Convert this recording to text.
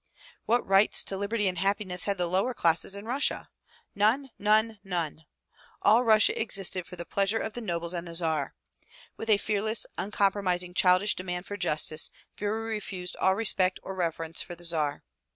What rights to liberty and happiness had the lower classes in Russia? None! None! None! All Russia existed for the pleasure of the nobles and the Tsar. With a fearless, uncompromising childish demand for justice Vera refused all respect or reverence for the Tsar.